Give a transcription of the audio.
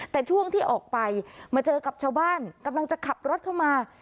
แต่ช่วงที่ออกไปมาเจอกับชาวบ้านกำลังจะขับรถเข้ามา